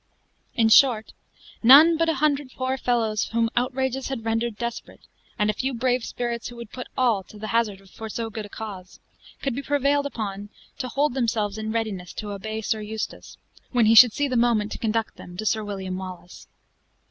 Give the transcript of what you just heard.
In short, none but about a hundred poor fellows whom outrages had rendered desperate, and a few brave spirits who would put all to the hazard for so good a cause, could be prevailed on to hold themselves in readiness to obey Sir Eustace, when he should see the moment to conduct them to Sir William Wallace.